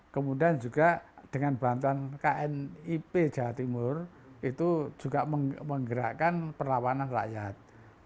kemudian juga dengan bantuan knip jawa timur itu juga menggerakkan perlawanan rakyat